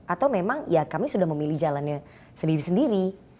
atau memang ya kami sudah memilih jalannya sendiri sendiri